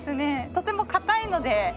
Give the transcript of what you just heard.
とても硬いので。